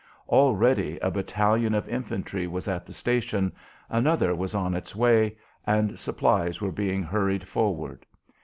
Already a battalion of infantry was at the station, another was on its way, and supplies were being hurried forward.